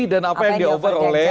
dan apa yang di offer oleh